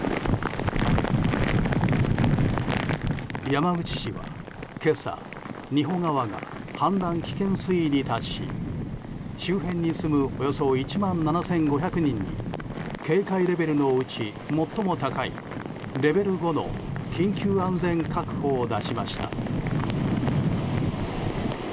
山口市は今朝仁保川が氾濫危険水位に達し周辺に住むおよそ１万７５００人に警戒レベルのうち最も高いレベル５の緊急安全確保を出しました。